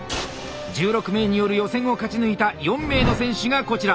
１６名による予選を勝ち抜いた４名の選手がこちら。